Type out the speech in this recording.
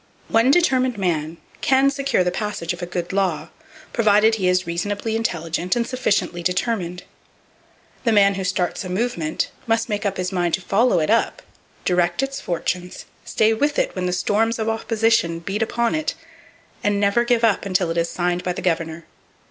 —One determined man can secure the passage of a good law, provided he is reasonably intelligent and sufficiently determined. The man who starts a movement must make up his mind to follow it up, direct its fortunes, stay with it when the storms of opposition beat upon it, and never give up until it is signed by the governor.